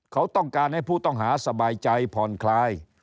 เขาต้องการให้ผู้ต้องหาสบายใจผ่อนคลาย